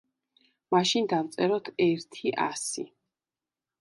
მაშინ დავწეროთ ერთი ასი.